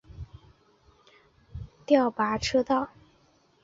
调拨车道。